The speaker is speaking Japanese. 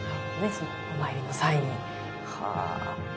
そのお参りの際に。は。